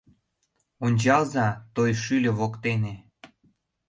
Ончалза, той шӱльӧ воктене